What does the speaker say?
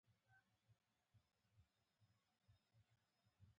دا ونه ډېره غټه او اوږده وه